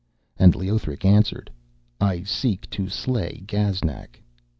And Leothric answered: 'I seek to slay Gaznak.'